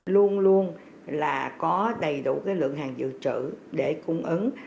luôn luôn là có đầy đủ lượng hàng dự trữ để cung ứng